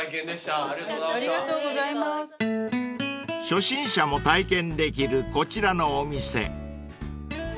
［初心者も体験できるこちらのお店］